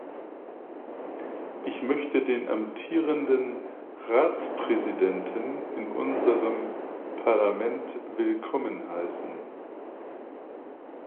Ich möchte den amtierenden Ratspräsidenten in unserem Parlament willkommen heißen.